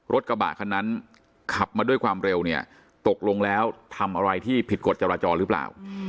รถกระบะคันนั้นขับมาด้วยความเร็วเนี่ยตกลงแล้วทำอะไรที่ผิดกฎจราจรหรือเปล่า